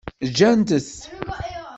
Gant-t.